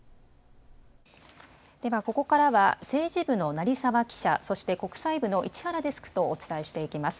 ではここからは政治部の成澤記者、そして国際部の市原デスクとお伝えしていきます。